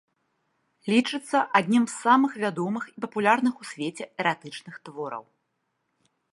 Лічыцца адным з самых вядомых і папулярных у свеце эратычных твораў.